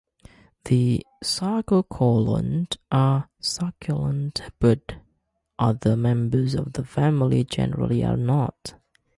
The "Sarcocaulon" are succulent, but other members of the family generally are not.